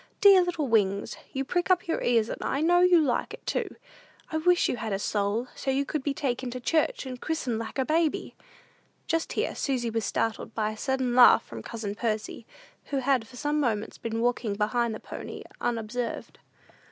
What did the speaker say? Dear little Wings, you prick up your ears, and I know you like it, too. I wish you had a soul, so you could be taken to church, and christened like a baby." Just here Susy was startled by a sudden laugh from cousin Percy, who had for some moments been walking behind the pony unobserved.